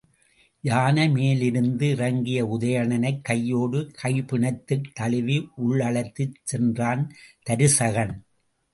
யானை மேலிருந்து இறங்கிய உதயணனைக் கையோடு கைபிணைத்துத் தழுவி, உள்ளழைத்துச் சென்றான் தருசகன்.